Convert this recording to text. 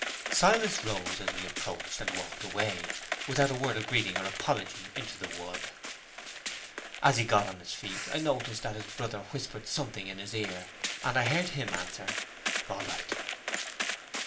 Silas rose as we approached, and walked away, without a word of greeting or apology, into the wood. As he got on his feet, I noticed that his brother whispered something in his ear; and I heard him answer, "All right."